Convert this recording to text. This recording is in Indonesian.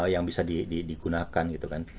yang bisa digunakan gitu kan